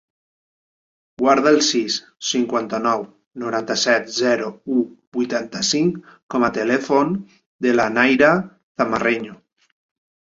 Guarda el sis, cinquanta-nou, noranta-set, zero, u, vuitanta-cinc com a telèfon de la Nayra Zamarreño.